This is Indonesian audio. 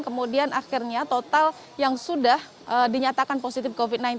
kemudian akhirnya total yang sudah dinyatakan positif covid sembilan belas